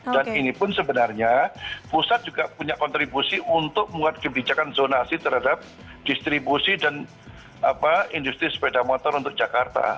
dan inipun sebenarnya pusat juga punya kontribusi untuk membuat kebijakan zonasi terhadap distribusi dan industri sepeda motor untuk jakarta